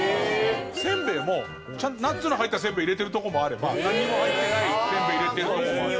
せんべいもナッツの入ったせんべいを入れてるとこもあればなんにも入ってないせんべい入れてるとこもある。